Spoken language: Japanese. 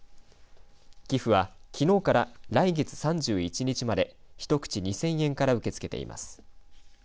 寄付は、きのうから来月３１日まで１口２０００円から受け付けています。